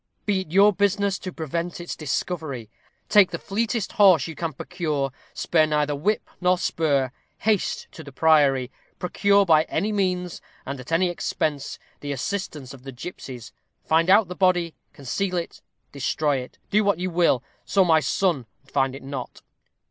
Be it your business to prevent its discovery. Take the fleetest horse you can procure; spare neither whip nor spur. Haste to the priory; procure by any means, and at any expense, the assistance of the gipsies. Find out the body; conceal it, destroy it do what you will, so my son find it not.